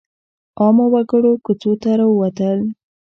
عامو وګړو کوڅو ته راووتل.